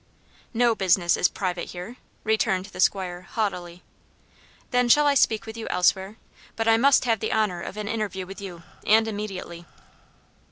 "No business is private here," returned the 'squire, haughtily. "Then shall I speak with you elsewhere? But I must have the honour of an interview with you, and immediately."